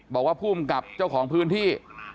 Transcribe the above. บอกว่าภูมิกับเจ้าของพื้นที่